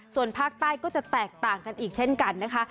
ส่วนภาคใต้ก็จะแตกต่างกันอีกเช่นกันนะคะ